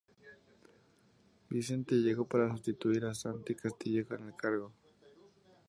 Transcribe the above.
Vicente llegó para sustituir a Santi Castillejo en el cargo.